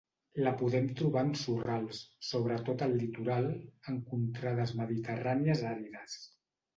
La podem trobar en sorrals, sobretot al litoral, en contrades mediterrànies àrides.